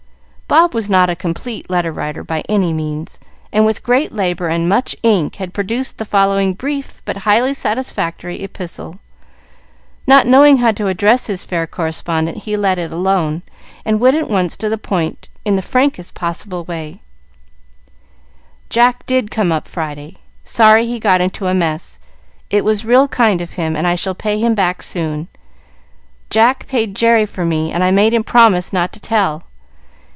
Bob was not a "complete letter writer" by any means, and with great labor and much ink had produced the following brief but highly satisfactory epistle. Not knowing how to address his fair correspondent he let it alone, and went at once to the point in the frankest possible way: "Jack did come up Friday. Sorry he got into a mess. It was real kind of him, and I shall pay him back soon. Jack paid Jerry for me and I made him promise not to tell.